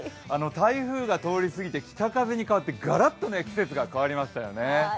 台風が通り過ぎて北風に変わってガラッと季節が変わりましたよね。